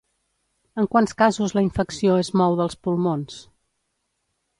En quants casos la infecció es mou dels pulmons?